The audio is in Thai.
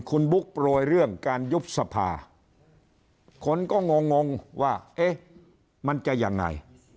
คุณบุ๊กโปรยเรื่องการยุบสภาคนก็งงงว่าเอ๊ะมันจะยังไง